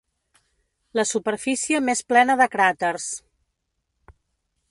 La superfície més plena de cràters.